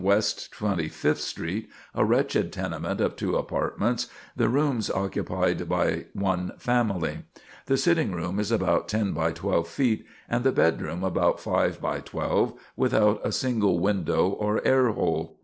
West Twenty fifth Street, a wretched tenement of two apartments, the rooms occupied by one family. The sitting room is about 10×12 feet, and the bedroom about 5×12, without a single window or air hole.